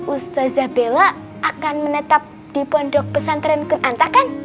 ustad bela akan menetap di pondok pesantren kun anta kan